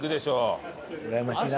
うらやましいな。